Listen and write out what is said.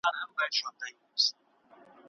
ډیجیټل ټیکنالوژي د سوداګرۍ پراختیا اسانوي.